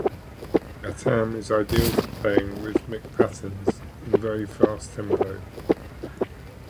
The ghatam is ideal for playing rhythmic patterns in very fast tempo.